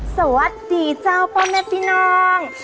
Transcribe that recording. สวัสดีเจ้าพ่อแม่พี่น้อง